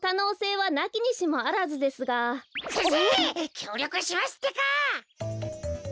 きょうりょくしますってか！